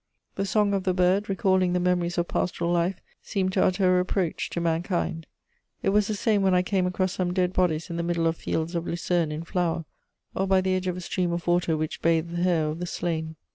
The song of the bird, recalling the memories of pastoral life, seemed to utter a reproach to mankind. It was the same when I came across some dead bodies in the middle of fields of lucerne in flower, or by the edge of a stream of water which bathed the hair of the slain.